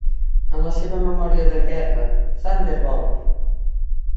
En la seva memòria de guerra, Thunderbolt!